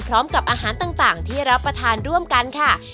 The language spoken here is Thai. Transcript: พร้อมกับอาหารต่างที่รับประทานร่วมกันค่ะ